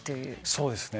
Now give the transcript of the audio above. そうですね。